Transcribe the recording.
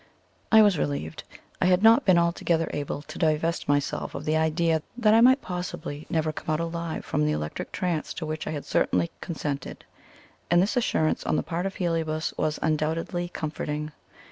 I was relieved. I had not been altogether able to divest myself of the idea that I might possibly never come out alive from the electric trance to which I had certainly consented; and this assurance on the part of Heliobas was undoubtedly comforting.